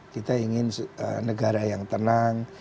kita ingin negara yang tenang